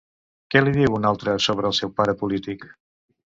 Què li diu un altre sobre el seu pare polític?